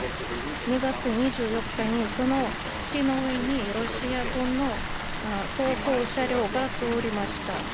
２月２４日にその土の上にロシア軍の装甲車両が通りました。